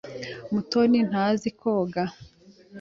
Mutoni ntazi koga.